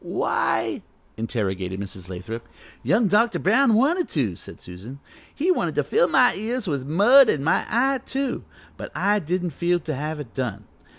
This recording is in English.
"Why " interrogated Mrs. Lathrop. "Young Dr. Brown wanted to," said Susan, "he wanted to fill my ears with mud, an' my eye, too, but I didn't feel to have it done.